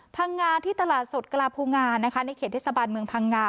พังงาที่ตลาดสดกลาภูงานะคะในเขตเทศบาลเมืองพังงา